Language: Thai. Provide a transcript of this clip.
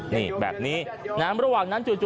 นี่แบบนี้ระหว่างนั้นจู่